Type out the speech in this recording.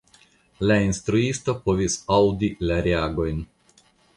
La "instruisto" povis aŭdi la reagojn.